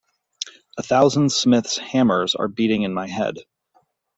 A thousand smiths’ hammers are beating in my head!